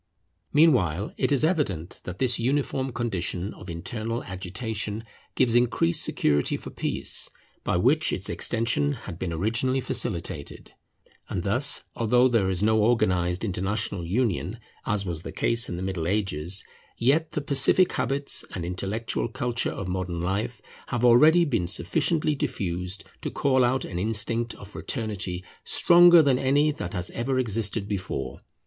Meanwhile it is evident that this uniform condition of internal agitation gives increased security for peace, by which its extension had been originally facilitated. And thus, although there is no organized international union as was the case in the Middle Ages, yet the pacific habits and intellectual culture of modern life have already been sufficiently diffused to call out an instinct of fraternity stronger than any that has ever existed before.